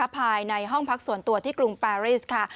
ภายในห้องพักส่วนตัวที่กรุงปาริสค่ะ